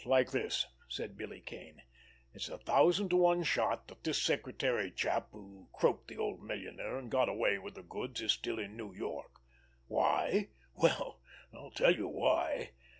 "It's like this," said Billy Kane. "It's a thousand to one shot that this secretary chap who croaked the old millionaire and got away with the goods is still in New Work. Why? Well, I'll tell you why.